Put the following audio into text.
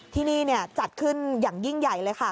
ที่นี่จัดขึ้นอย่างยิ่งใหญ่เลยค่ะ